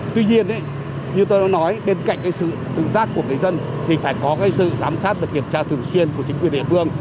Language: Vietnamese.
tuy nhiên như tôi đã nói bên cạnh cái sự tự giác của người dân thì phải có cái sự giám sát và kiểm tra thường xuyên của chính quyền địa phương